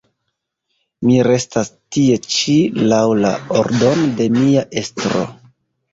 Mi restas tie ĉi laŭ la ordono de mia estro.